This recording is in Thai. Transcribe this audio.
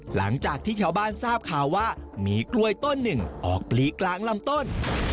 หลังจากที่ชาวบ้านทราบข่าวว่ามีกล้วยต้นหนึ่งออกปลีกลางลำต้น